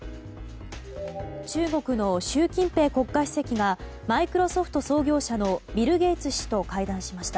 中国の習近平国家主席がマイクロソフト創業者のビル・ゲイツ氏と会談しました。